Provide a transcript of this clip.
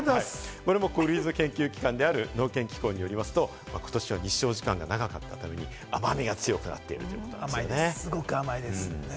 これも国立の研究機関である農研機構によりますと、ことしは日照時間が長かったため雨が強くなってるということです。